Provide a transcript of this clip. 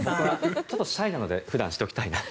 ちょっとシャイなので普段はしておきたいなと。